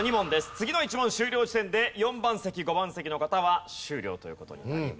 次の１問終了時点で４番席５番席の方は終了という事になります。